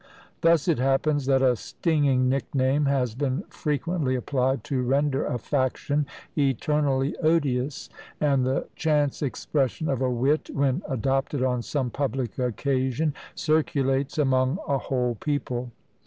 Thus it happens that a stinging nickname has been frequently applied to render a faction eternally odious; and the chance expression of a wit, when adopted on some public occasion, circulates among a whole people.